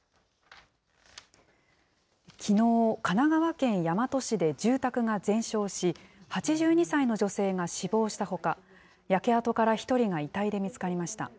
きのう、神奈川県大和市で住宅が全焼し、８２歳の女性が死亡したほか、焼け跡から１人が遺体で見つかりました。